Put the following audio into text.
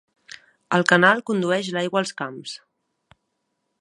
El canal condueix l'aigua als camps.